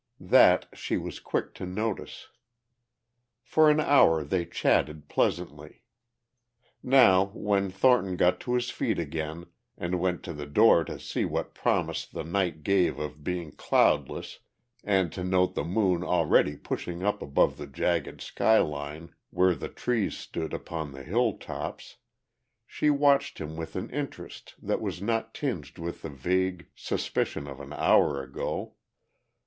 That she was quick to notice. For an hour they chatted pleasantly. Now, when Thornton got to his feet again, and went to the door to see what promise the night gave of being cloudless and to note the moon already pushing up above the jagged skyline where the trees stood upon the hill tops, she watched him with an interest that was not tinged with the vague suspicion of an hour ago.